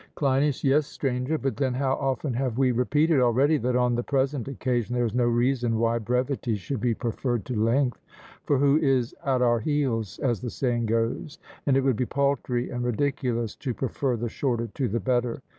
CLEINIAS: Yes, Stranger; but then how often have we repeated already that on the present occasion there is no reason why brevity should be preferred to length; for who is 'at our heels?' as the saying goes, and it would be paltry and ridiculous to prefer the shorter to the better.